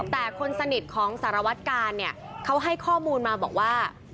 แต่คนสนิทของสารวัตกาลเนี่ยเขาให้ข้อมูลมาบอกว่า